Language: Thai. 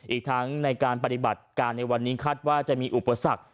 อีกทั้งในการปฏิบัติการในวันนี้คาดว่าจะมีอุปสรรค